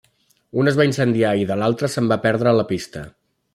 Un es va incendiar i de l’altre se’n va perdre la pista.